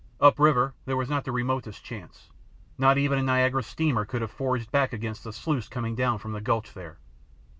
Upriver there was not the remotest chance. Not even a Niagara steamer could have forged back against the sluice coming down from the gulch there.